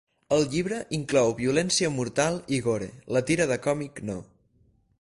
El llibre inclou violència mortal i gore, la tira de còmic no.